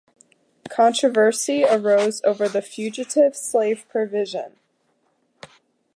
Controversy arose over the Fugitive Slave provision.